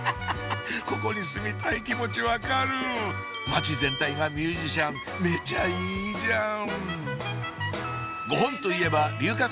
ここに住みたい気持ち分かる街全体がミュージシャンめちゃいいじゃん！